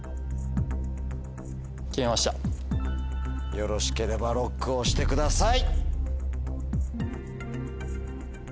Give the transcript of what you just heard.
よろしければＬＯＣＫを押してください。